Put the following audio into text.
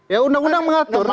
ya undang undang mengatur